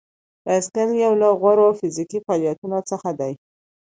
بایسکل یو له غوره فزیکي فعالیتونو څخه دی.